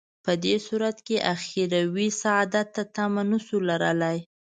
په دې صورت کې اخروي سعادت تمه نه شو لرلای.